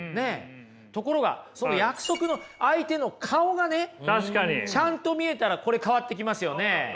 ところがその約束の相手の顔がねちゃんと見えたらこれ変わってきますよね。